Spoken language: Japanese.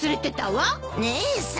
姉さん。